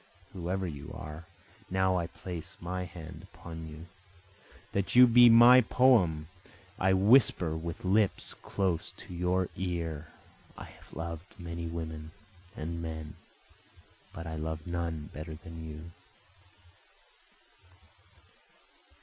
Whoever you are, now I place my hand upon you, that you be my poem, I whisper with my lips close to your ear. I have loved many women and men, but I love none better than you.